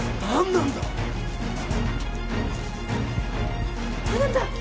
あなた！